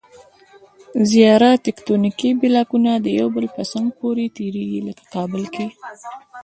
زیاره تکتونیکي بلاکونه یو د بل په څنګ پورې تېریږي. لکه کابل کې